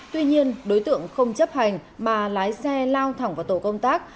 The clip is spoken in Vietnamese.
tuy nhiên đối tượng không chấp hành mà lái xe lao thẳng vào tổ công tác